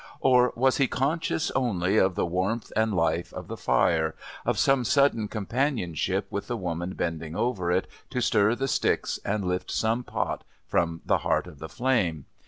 Or was he conscious only of the warmth and the life of the fire, of some sudden companionship with the woman bending over it to stir the sticks and lift some pot from the heart of the flame?